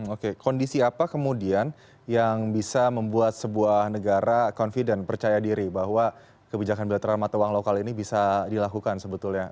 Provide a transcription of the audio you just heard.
oke kondisi apa kemudian yang bisa membuat sebuah negara confident percaya diri bahwa kebijakan bilateral mata uang lokal ini bisa dilakukan sebetulnya